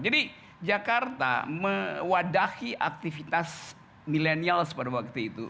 jadi jakarta mewadahi aktivitas milenial pada waktu itu